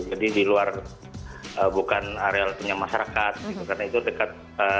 jadi di luar bukan area punya masyarakat gitu karena itu dekat